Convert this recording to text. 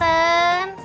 saya permisi ke dalam